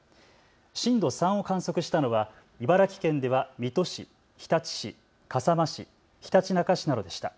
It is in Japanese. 震度３を観測したのは茨城県では水戸市、日立市、笠間市、ひたちなか市などでした。